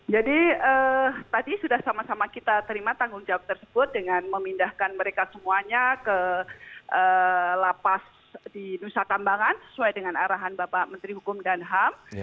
jadi tadi sudah sama sama kita terima tanggung jawab tersebut dengan memindahkan mereka semuanya ke lapas di nusa kambangan sesuai dengan arahan bapak menteri hukum dan ham